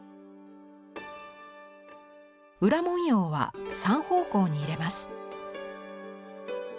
裏文様は３方向に入れます。